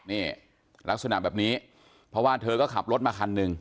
นี่ลักษณะแบบนี้เพราะว่าเธอก็ขับรถมาคันหนึ่ง